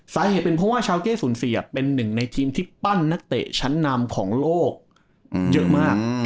สาเหตุเป็นเพราะว่าชาวเก้สูญเสียเป็นหนึ่งในทีมที่ปั้นนักเตะชั้นนำของโลกเยอะมาก